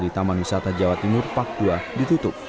di taman wisata jawa timur pak ii ditutup